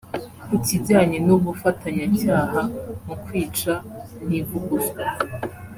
Ku kijyanye n’ubufatanyacyaha mu kwica Ntivuguzwa